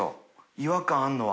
違和感あるのは。